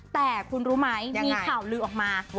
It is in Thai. แต่คุณรู้ไหมมีข่าวลือออกมา